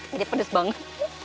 jadi pedes banget